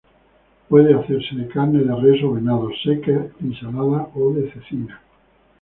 Puede hacerse de carne de res o venado, seca y salada, o de cecina.